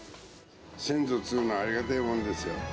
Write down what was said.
先祖っつうのは、ありがたいもんですよ。